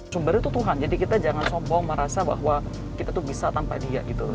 sumbernya tuh tuhan jadi kita jangan sombong merasa bahwa kita tuh bisa tanpa dia gitu